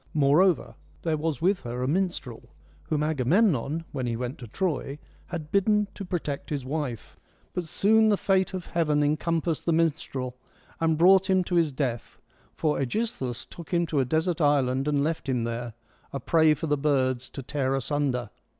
Moreover, there was with her a minstrel, whom Agamemnon, when he went to Troy, had bidden to protect his wife. But soon the fate of heaven encompassed the minstrel, and brought him to his death, for ^Egisthus took him to a desert island and left him there, a prey for the birds to tear asunder.